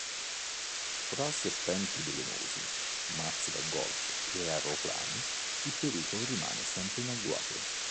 Fra serpenti velenosi, mazze da golf e aeroplani, il pericolo rimane sempre in agguato.